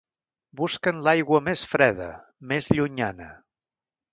Busquen l'aigua més freda, més llunyana.